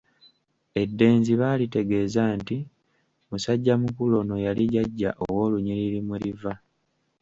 Eddenzi baalitegeeza nti musajja mukulu ono yali jjajja owolunyiriri mwe liva.